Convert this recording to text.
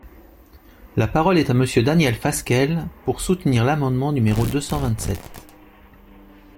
La parole est à Monsieur Daniel Fasquelle, pour soutenir l’amendement numéro deux cent vingt-sept.